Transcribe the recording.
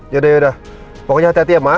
yaudah yaudah pokoknya hati hati ya mak